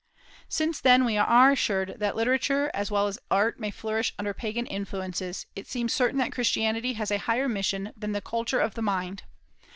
Since, then, we are assured that literature as well as art may flourish under Pagan influences, it seems certain that Christianity has a higher mission than the culture of the mind.